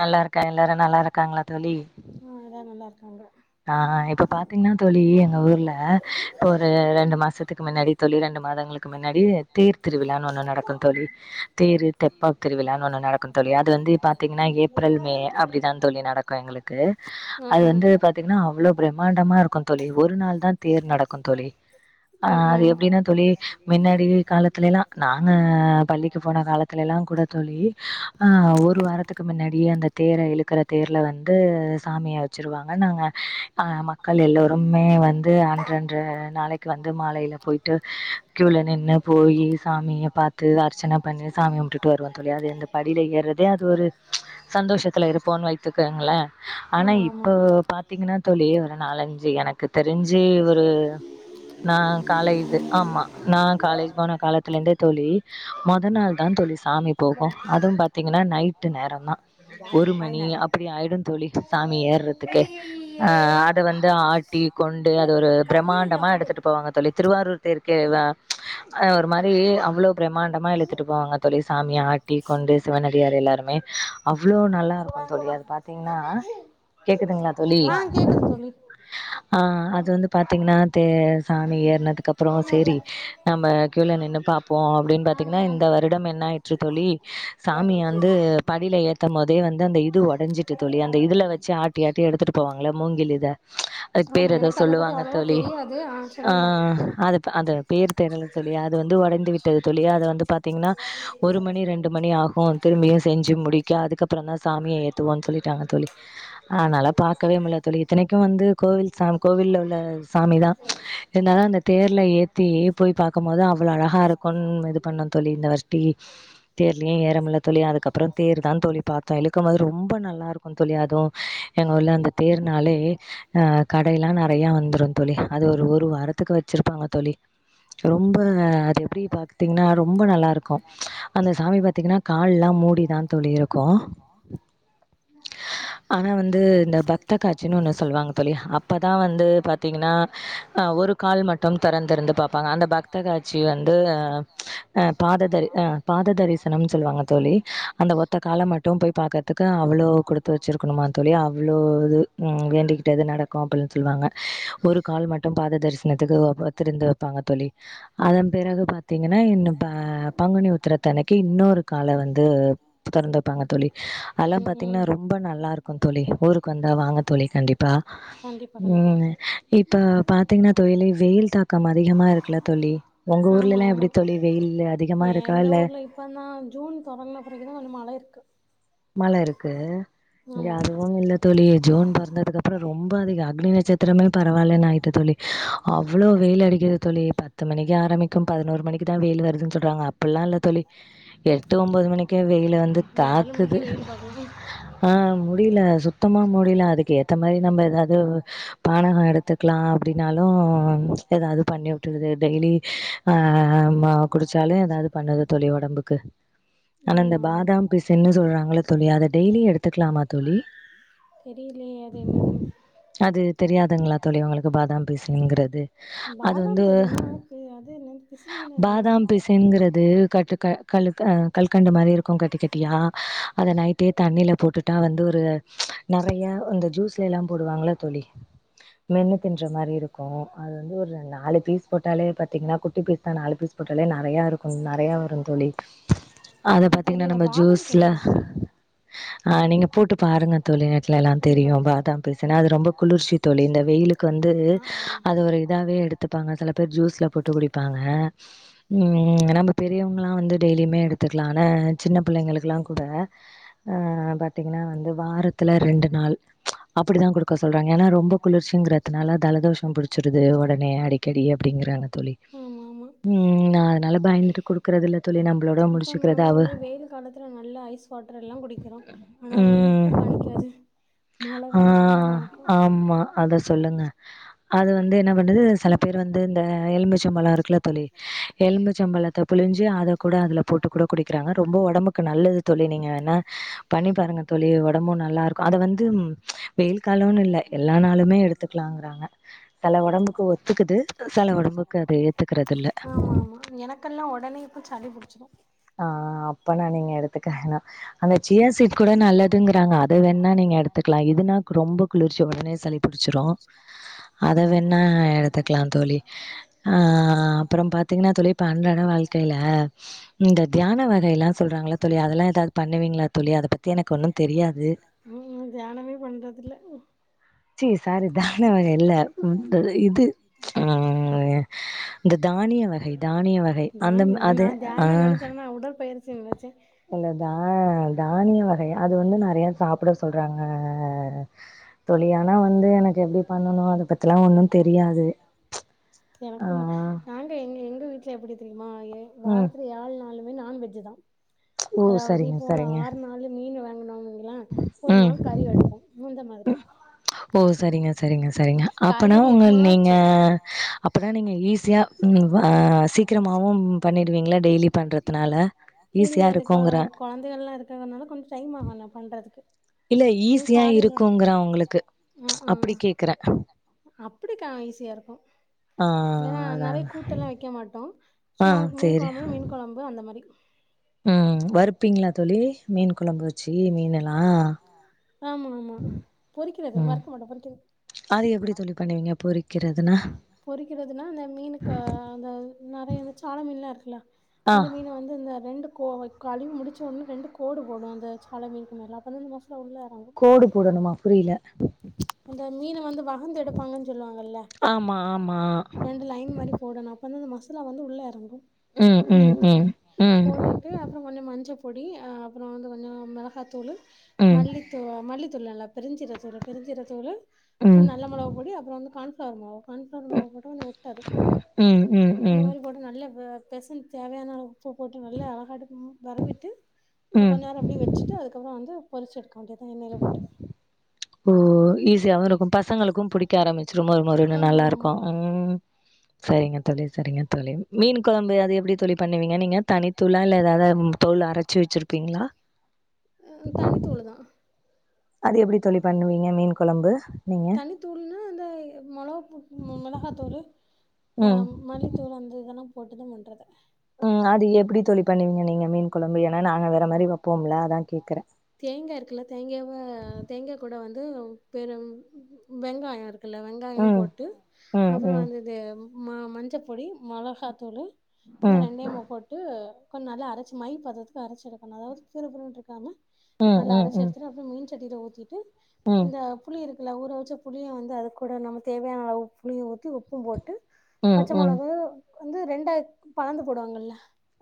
நல்லா இருக்க எல்லாரு நல்லா இருக்காங்களா தோழி அங்க ஆஹ் ஆ இப்ப பாத்தீங்கனா தோழி எங்க ஊர்ல இப்ப ஒரு ரெண்டு மாசத்துக்கு மின்னாடி தோழி ரெண்டு மாதங்களுக்கு மின்னாடி தேர் திருவிழான் ‌ஒண்ணு நடக்கு தோழி தேரு தெப்பாத் திருவிழான் ஒண்ணு நடக்கு தோழி அது வந்து பாத்தீங்கனா ஆஹ் ஏப்ரல் மே அப்டிதா தோழி நடக்கு எங்களுக்கு ஆ எல்லா நல்லா இருக்காங்க ம் அது ம் வந்து பாத்தீங்னா அவ்ளோ பிரம்மாண்டமா இருக்கு தோழி ஒரு நாள் தா தேர் நடக்கு தோழி அ ம் அது ம் எப்டினா தோழி மின்னாடி காலத்துல எல்லா நாங்க பள்ளிக்கு போன காலத்துல எல்லா கூட தோழி அ ஒரு வாரத்துக்கு மின்னாடி ஏ அந்த தேர இழுக்குற தேர்ல வந்து சாமியா வச்சிருவாங் நாங்க அ மக்கள் எல்லோருமே வந்து அன்றன்ற நாளைக்கு வந்து மாலைல போயீட்டு க்யூல நின்னு போயி சாமிய பாத்து அர்ச்சன பண்ணி சாமி கும்டுட்டு வருவோ தோழி அது அந்த படில ஏறதே அது ஒரு சந்தோஷத்துல இருப்போன் வைத்துக்கங்கள ஆனா ஆமா இப் ஆமா இப்போ பாத்தீங்கனா தோழி ஒரு நாலஞ்சு எனக்கு தெரிஞ்சு ஒரு நா காலேது ஆமா நா காலேஜ் போன காலத்துலந்தே தோழி மொத நாள் தா தோழி சாமி போகு அதுவு பாத்திங்னா நைட்டு நேரந்தா ஒரு மணி அப்பிடி ஆய்டு தோழி சாமி ஏர்றது க்கு ஆ அத வந்து ஆட்டி கொண்டு அது ஒரு பிரமாண்டமா எடுத்துட்டு போவாங்க தோழி திருவாரூர் தேர்க்கே அ ஒரு மாரி அவ்ளோ பிரம் மாண்டமா இழுத்துட்டு போவாங்க தோழி சாமி ஆட்டி கொண்டு சிவனடியார் எல்லாருமே அவ்ளோ நல்லாருக்கு தோழி அது பாத்திங்னா கேக்குதுங்ளா தோழி ஆ கேக்குது தோழி ஆ அது வந்து பாத்திங்னா தே சாமி ஏறுனதுக்கப்றோ சேரி நம்ம க்யூல நின்னு பாப்போ அப்டின் பாத்திங்னா இந்த வருடம் என்னாயிற்று தோழி சாமிய வந்து படில ஏத்தம்மோதே வந்து அந்த இது ஒடஞ்சிட்டு தோழி அந்த இதுல வெச்சு ஆட் எடுத்துட்டு போவாங்கல மூங்கில் இத அதுக் ஆமா பேர் எதோ எனக்கு அத பத்தி சொல்லுவாங்க அவ்ளவா தோழி தெரியாது ஆ சொல்லுங்க அதுப் அது பேர் தெர்ல தோழி அது வந்து ஒடைந்து விட்டது தோழி அத வந்து பாத்திங்னா ஒரு மணி ரெண்டு மணி ஆகு திரும்பியு செஞ்சு முடிக்க அதுக்கப்பறந்தா சாமிய ஏத்துவோன் சொல்லிட்டாங்க தோழி ஆனா நல்லா பாக்கவே முல்ல தோழி இத்தனைக்கு வந்து கோவில் சாம் கோவில்ல உள்ள சாமி தா இருந்தாலு அந்த தேர்ல ஏத்தி போய் பாக்கம்மோது அவ்ள அழகா இருக்குன் இது பண்ணோ தோழி இந்த வர்ட்டி தேர்லயே ஏறமுல்ல தோழி அதுக்கப்பறொ தேர்தா தோழி பாத்தோ இழுக்குமோது ரொம்போ நல்லாருக்கு தோழி அதுவு எங்க ஊர்ல அந்த தேர்னாலே அ கடைல்லா நறையா வந்துருந் தோழி அது ஒரு ஒரு வாரத்துக்கு வச்சிருப்பாங்க தோழி ரொம்ப அது எப்டி பாத்திங்ன்னா ரொம்ப நல்லாருக்கு அந்த சாமி பாத்திங்னா கால்லா மூடிதா தோழி இருக்கு ஆனா வந்து இந்த பக்த காட்சினு ஒன்னு சொல்வாங்க தோழி அப்பதா வந்து பாத்திங்கனா அ ஒரு கால் மட்டும் தெறந்திருந்து பாப்பாங்க அந்த பக்த காட்சி வந்து அ பாததரி அ பாத தரிசனம் சொல்வாங்க தோழி அந்த ஒத்த கால மட்டு போய் பாக்கறதுக்கு அவ்வளோ குடுத்து வச்சிருக் கனு தோழி அவ்ளோ இது ம் வேண்டிகிட்டது நட க்கு அப்டின் சொல்வாங்க ஒரு கால் மட்டு பாத தரிசனத்துக்கு ஓ ப திறந்து வப்பாங்க தோழி அதன் பிறகு பாத்திங்கனா இன்னு ப பங்குனி உத்தரத்தன்னைக்கு இன்னொரு கால வந்து தொறந்து வெப்பாங்க தோழி அதலாம் ம் பாத்திங்னா ம் ரொம்ப நல்லா ஊருக்கு வந்தா வாங்க தோழி கண்டிப் பா கண்டிப்பா கண்டிப்பா ம் இப்ப பாத்திங்னா தோழி வெயில் தாக்கம் அதிகமா இருக்குல தோழி ஒங்க ஆமா ஊர்லலெல்லா எப்டி ஆமா தோழி வெயில் அதிகமா இருக்கா எங்க இல்ல ஊர்ல இப்பந்தான் ஜூன் தொடங்குன பிறகுதான் கொஞ்சம் மழ இருக்கு மழ இருக்கு இங்க ஆமா அதுவுமில்ல தோழி ஜூன் பொறந்ததுக்கப்பறொ ரொம் ப அதிக அக்னிநட்சத்திரமே பரவாலன் ஆயிட்டு தோழி அவ்ளோ வெயில் அடிக்கிது தோழி பத்து மணிக்கு ஆரமிக்கு பதினோரு மணிக்கி தா வெயில் வருதுன் சொல் டோங்க புல்லா இல்ல தோழி எட்டு ஒம்போது மணிக்கே வெயிலு வந்து இங்க ஆறு தாது மணிக்கே வெயில் பாக்கலாம் ஆ முடில சுத்தமா முடில அதுக்கு ஏத்த மாரி நம்ப எதாது பானஹொ எடுத்துக்லா அப்டினாலு எதாது பண்ணி உட்டுடுது டெய்லி ஆ ம குடுச்சாலு எதாது பண்ணுது தோ டம்புக்கு ஆனா இந்த ஆமா ஆமா பாதாம் பிஸ் சொல்றாங்கல்ல தோழி அத டெய்லி எடுத்துக்லாமா தோழி தெரியலையே அது என்னதுன்னு அது தெரியாதுங்ளா தோழி ஒங்களுக்கு பாதாம் பிஸ்னுங்குறது அது வந்து பாதாம் தெரியும் அது அது என்னது பிசினினா என்னன்னு பாதாம் தெரியல பிசின்ங்குறது க கலு க கல்கண்டு மாரி இருக்கு கட்டி கட் டியா அத நைட்டே தண்ணில போட்டுட்டா வந்து ஒரு நறயா இந்த ஜூஸ்லே எல்லா போடுவாங்ல தோழி மென்னு தின்ற மாரி இருக்கு அது வந்து ஒரு நாலு பீஸ் போட்டாலே பாத்தீங்ன்னா குட்டி பீஸ் தா நாலு பீஸ் போட்டாலே நறையா இருக்கு நறையாவ ஆம் தோழி அத ஆஹ் பாத்தீங்னா தெரியல நம்ம பாதாம் ஜூஸ்ல கேள்விப்பட்டிருக்கேன் அ நீங்க போட்டு பாருங்க தோழி நெட்லெல்லா கண்டிப்பா தெரியு கண்டிப்பா பாதாம்பிஸ்னு அது ரொம்ப குளிர்ச்சி தோழி இந்த வெயிலுக்கு வந்து ஆஹ் ஆஹ் அது ஒரு இதாவே எடுத்துப்பாங்க சில பேர் ஜூஸ்ல போட்டு குடிப்பாங்க ம் நம்ம பெரியவங் ல்லா வந்து டெய்லிமே எடுத்துக்கலால்ல சின்ன பிள்ளைங்களுக்கெல்லாங் கூட ஆஹ பாத்தீங்கன்னா வந்து வாரத்துல ரெண்டு நாள் ப்ச் அப்படிதா குடுக்க சொல்றாங்க ஏனா ரொம்ப குளிர்ச்சிங்கறதுனால தலதோஷம் புடிச்சுடுது உடனே அடிக்கடி அப்படிங்கறாங்க தோழி ஆமா ஆமா ம் நா அதனால பயந்துட்டு குடுக்கற தோழி நம்மளோட முடிச்சுக்கறது அவு அப்பறோ நல்லா ஐஸ் வாட்டர் எல்லாங் குடிக்கனு ஆனா அது வந்து இப்ப ம். காணிக்காது மழ ஆ காலத்துலதா காணிக்கு ஆமா அத சொல்லுங்க. அது வந்து என்ன பண்ணுது செல பேர் வந்து இந்த எலும்பிச்சம்பழொ இருக்குல்ல தோழி எலும்பிச்சம்பழத்த புழிஞ்சு அத கூட அதுல போட்டு கூட குடிக்கிறாங்க ரொம்ப ஒடம்புக்கு க்கு நல்லது தோழி நீங்க வேணா பண்ணி பாருங்க தோழி ஒடம்பும் நல்லா இருக்கு அத வந்து வெய்யில் காலம்னு இல்லை எல்லா நாளுமே எடுத்துக்கலாங்கறாங்க சில உடம்புக்கு ஒத்துக்குது சில உடம்புக்கு அத ஏத்துக்கறது இல்ல ஆமா ஆமா ஆமா எனக்கெல்லா ஒடனே இப்ப சளி புடிச்சிரு ஆஹ் அப்பனா நீங் எடுத்துக்க வேணாம் அந்த சியா சீட் கூட நல்லதுங்கறாங்க அத வேணா நீங்க எடுத்துக்கலா இதுனா ரொம்ப குளிர்ச்சி உடனே சளிபுடிச்சிரு அத வே ணா எடுத்துக்கலா தோழி ஆஹ் அப்புறம் பாத்தீங்கன்னா தோழி இப்ப அன்றாட வாழ்க்கையில இந்த தியான வகை எல்லா சொல்றாங்கல்ல தோழி அதெல்லா எதாவது பண்ணுவீங்களா தோழி அதப்பத்தி எனக்கு ஒன்னுந் தெரியாது ம் ம் தியானமே பண்றதில்ல ச்சீ சாரி தியான வகை இல்ல உ இது ப்ச் ம் இந்த தானிய வகை தானிய வகை அந்த தானியமா அது நா தியானோ ஆஹ் நெனச்சேன்னா உடற்பயிற்சி நெனச்சே இல்லதா தானிய வகை அது அது வந்து நெறயா சாப்பிட சொல்றாங்க தோழி ஆனா வந்து எனக்கு எப்டி பண்ணணு அத பத்திலா ஒன்னு தெரியாது ஆ எனக்குந்தா நாங்க எங்க எங் வீட்ல எப்புடி தெரியு மா ஏ ம் வாரத்துல ஏழ் நாள் எல்லாமே நான்வெஜ்தா ஓ அதாவது சரிங்க இப்போ சரிங்க ஆறு நாள் மீன் வே [unintelligible] ல ஒரு ம் நாள் கறி எடுப்போ இந்தமாதிரி ஓ சரிங்க சரிங்க சரிங்க அப்பனா உங்க நீங்க அப்பனா நீங்க அப்ப ஈஸியா ம் ஆ சீக்கிரமாவு பண்ணிடுவீங்களா டெய்லி பண்றதுனால இல்ல ஈஸியா எனக்கு இருக்குங்கற கொழந்தைகல்லா இருக்கறனால கொஞ்சோ டைம் ஆகு நா பண்ற அதுக்கு இல்ல ஈஸியா இருக்குங்கற உங்களுக்கு ஆ ப்ச் ஆ அப்படி கேக்குற அப்படிக்கா ஈஸியா இருக்கு ஆ ஏனா அதா நிறயா கூட்டோ எல்லா வெக்க மாட்டோ அ ஆ சும்மா மீன் சேரி கொழம்பு மீன் கொழம்பு அந்த மரி ம் வறுப்பிங்ளா தோழி மீன் கொழம்பு வச் சீ மீனல் நா ஆமா ஆமா பொறிக்கிறது ம் வறுக்க மாட்டோ பொறிக்கிறது அது எப்புடி தோழி பண்ணுவீங்க பொறி கிறதுனா பொறிக்கிறதுனா அந்த மீனு ப அந்த நறை அந்த சாள மீன்லா இருக்குல ஆ அந்த மீன் வந்து இந்த ரெண்டு கோவை கழுவி முடிச்ச உட்னே ரெண்டு கோடு போடு அந்தச் சாள மீன்க்கு மேல அப்பந்த இந்த மஸ்லா உள்ள கோடு போடணுமா புரிய்ல அந்த மீன வந்து வகந்து எடுப்பாங்கன் சொல்லுவாங்கல்ல ஆமா ஆமா ரெண்டு லைன் மாரி போடணு அப்பந்தா அந்த மஸ் துல வந்து உள்ள எறங்கு ம் ம் மீனுக்கு ம் ம் போட்டுட்டு அப்றோ கொஞ்ச மஞ்ச பொடி அப்றோ வந்து கொஞ்சோ மிளகாத்தூளு ம் ம் மல்லித்தூவா மல்லித் துள் நல்லா பெருஞ்சு பெருஞ்சீர தூளு நல்ல மொளவு பொடி அப்றோ வந்து கான்ஸ் சவர்மோ ம் ம் ம் பெசன் தேவ்யான அளவ் சோ போட்டு நல்லா அழகாட்டும் வரவிட்டு அ ம் கொஞ் நேரம் அப்டி வெச்சிட்டு அதுக்கப்றோ வந்து பொரிச் எடுக்கு அததா எண்ணய்ல போட்ட ஓ ஈஸியாவு இருக்கு பசங்களுக்கு புடிக்க ஆரம்மிச்சிரு மொறு மொறுன்னு ஆமா நல்லாருக்கு ஆமா ம் சரிங்க தோழி சரிங்க தோழி மீன் கொழம்பு அது எப்டி தோழி பண்ணுவீங்க நீங்க தனித்தூள இல்ல எதாவ்த தோள அரச்சு வெச்சிருப்பீங்ளா கொழம்பு நீங்க தனித்தூள்ன்னா அந்த மொளவுப்பு மிளகாத்தூளு ம ம் மல்லித்தூளு அந்த இதலா போட்டுதா மிண்றத ம் அது எப்புடி தோழி பண்ணுவீங்க நீங்க மீன் கொழம்பு ஏன்னா நாங்க வேற மாரி வப்போம்ல அதா கேக்குற தேங்கே இருக்குல்ல தேங்கேவ தேங்கே கூட வந்து பெரும் வெங்காயொருக் குல்ல வெங்காயோ ம் போட்டு ம் அப்புறோ ம் வந்து தே ம மஞ்சப் பொடி மொளகாத்தூளு இந்த ம் ரெண்டயும போட்டு கொஞ் நல்ல அரச்சி மை பதத்க்கு அரச்சு எடுக்குணு அதாவ்து கிரு கிருன்ருக்காம ம் நல்ல ம் அரைச்சு ம் எடுத்து அப்றோ மீன் சட்டில ஊத்திட்டு ம் இந்த புளி இருக் இல்ல ஊற வச்ச புளிய வந்து அது கூட நம்ம தேவையான அளவு புளியு ஊத்தி உப்பு போட்டு ம் பச்ச ம் மொளகு வந்து ரெண்டாய்த் பணந்து போடுவாங்கல்ல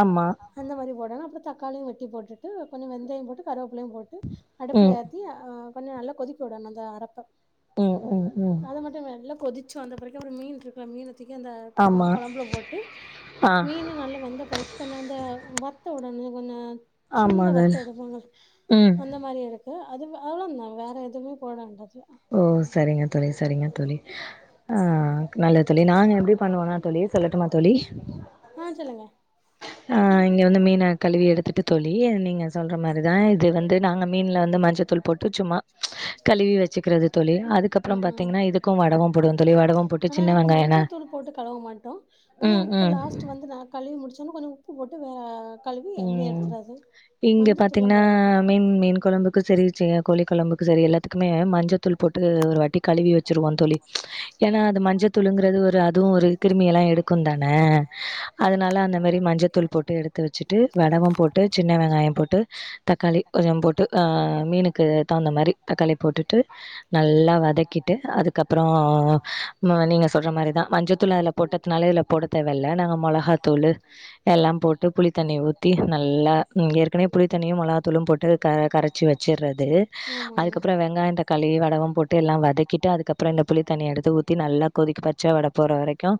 ஆமா அந்த மாரி போட்டக அப்பறத் தக்காளியு வெட்டி போட்டுட்டு கொஞ்சோ வெந்தயோ போட்டு த் கரோப் எல்லா போட்டு அடுப்புல ம் ஏத்தி ஆ இன்னு நல்லா கொதிக்க வுடனு அந்த அறப்ப ம் ம் ம் சோ அந்த பரைக்கு ஒரு மீன் இருக்குல மீன்னு ப்திக்கு அந்த க ஆமா கொழம்புல போட்டு ஆ மீனு நல்ல வெந்த பிறக்கு கொஞ்சோ அந்த வத்த உடனு [unintelligible] ஆமா சுண்ட வத்த தோழி எடுவாங்க ம் அந்த மாரி எடுக் அது அவ்ளோந்தா வேற ஏதுவுமே போட வேண்டாது ஓ சரிங்க தோழி சரிங்க தோழி ஆ நல்லது தோழி நாங்க எப்டி பண்ணுவோனா தோழி சொல்லட்டுமா தோழி ஆ சொல்லுங்க ஆ இங்கே வந்து மீன கழுவி எடுத்துட்டு தோழி நீங்க சொல்ற மாரிதா இது வந்து நாங்க மீன்ல வந்து மஞ்சத்தூள் போட்டு சும்மா கழுவி வச் சிக்றது தோழி ம் ம் அதுக்கப்றொ பாத்தீங்கன்னா இதுக்கு வடவ போடுவோ தோழி வடவம் போட்டு ஆனா சின்ன நாங்க வெங்காயம் ந மஞ்சத்தூள் போட்டு கழுவ மாட்டோ ஆனா ம், உப்பு ம். லாஸ்ட் வந்து நா கழுவி முடிச்சோன்ன கொஞ்ச உப்பு போட்டு ஓ உம் இங்க மஞ்சத்தூள்லா பாத்தீங்கன்னா போட மாட்டோ மீன் மீன் கொழம்புக்கு சரி சிய கோழிக் கொளம்புக்கு சரி எல்லாத்துக்குமே மஞ்சத்தூள் போட்டு ஒரு வாட்டி கலுவி வச்சருவோ தோழி ஏன்னா அது மஞ்சத்தூளுங்கிறது ஒரு மாதிரி அதுவு ஒரு கிருமிய எல்லா எடுக்கு தான அதனால அந்த மாரி மஞ்சத்தூள் போட்டு எடுத்து ட்டு வடவம் போட்டுச் சின்ன வெங்காயோ போட்டுத் தக்காளி கொஞ்சம் போட்டு அ மீனுக்கு தகுந்த மாரி தக்காளி போட்டுட்டு நல்லா வதக்கிட்டு அதுக்கப்றோ இன்னோனு நீங்க சொல்ற மாரி தா மஞ்சத்தூளு அதுல போட்டத்னால இதுல போட தேவல்ல நாங்க மொளகாத்தூளு எல்லா போட்டு புளித் தண்ணி ஊத்தி நல்லா ம் ஏற்கனவே புளித் தண்ணியு மொளகாத்தூளு போட்டு க கரச்சு வெச்சிர்றது ஆமா ஆமா அதுக்கப்பறோ வெங்காயோ தக்காளியு வடவம் போட்டு எல்லா வதக்கிட்டு அதுக்கப்பறோ இந்த புளித் தண்ணி எடுத்து ஊத்தி நல்லா கொதிக்க பச்ச வாட போற வரைக்கு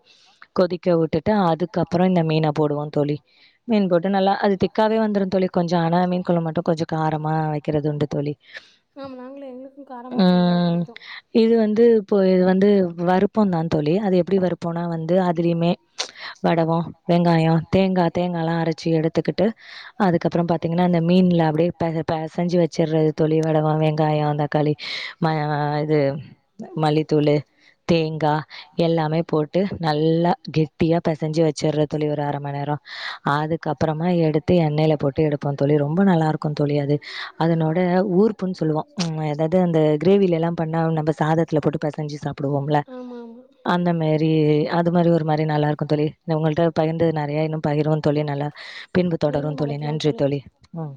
கொதிக்கவுட்டுட்டு அதுக்கப்பறோ இந்த மீன போடுவோ தோழி மீன் போட்டு நல்லா அது திக்காவே வந்துரும் தோழி கொஞ்சம் ஆனா மீன் கொழம்பு மட்டும் கொஞ்சம் காரமா வைக்கிறது உண்டு தோழி ஆமா நாங்களு எங்களுக்கு காரமா இருந்தாதா ம் பிடிக்கு இது வந்து இப்போ இது வந்து வறுப்போந்தா தோழி அது எப்டி வறுப்போன்னா வந்து அதுலிய்மே வடவோ, வெங்காயோ, தேங்கா அரச்சு எடுத்துக்கிட்டு அதுக்கப்பறோ பாத்தீங்கன்னா அந்த மீன்ல அப்டியே பெச பெசஞ்சு வெச்சர்றது தோழி வடவோ, வெங்காயோ அந்த க்காளி ம இது மல்லித்தூளு தேங்கா எல்லாமே போட்டு நல்லா கெட்டியா பெசஞ்சு வெச்சறது தோழி ஒரு அரம நேரோ அதுக்கப்பறமா எடுத்து எண்ணெயில போட்டு எடுப்போ தோழி ரொம்ப நல்லாருக்கு தோழி அது அதனோட ஊர்புன்னு சொல்லுவோ உ எதாவது இந்த கிரேவில எல்லா பண்ண நப சாதத்துல போட்டு பசஞ்சு சாப்பிடுவோ இல ஆமா ஆமா அந்த மாி அது மாரி ஒரு மாரி நல்லாருக்கு உங்கட பகிர்து நெறைய இன்னு பகிருவோ தோழி நல்லா பின்பு தொடரு மீண்டும் தோழி அழைக்கலாம் நன்றி தோழி ம்